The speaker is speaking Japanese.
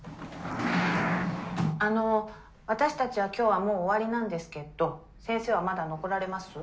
あの私たちは今日はもう終わりなんですけど先生はまだ残られます？